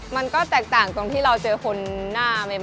มันก็แตกต่างตรงที่เราเจอคนหน้าใหม่